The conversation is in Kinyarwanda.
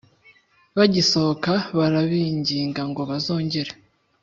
Bagisohoka barabinginga ngo bazongere